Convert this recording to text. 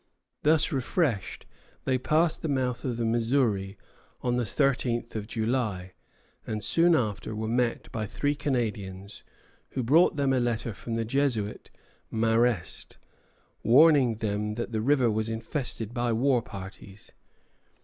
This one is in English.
Thus refreshed, they passed the mouth of the Missouri on the 13th of July, and soon after were met by three Canadians, who brought them a letter from the Jesuit Marest, warning them that the river was infested by war parties.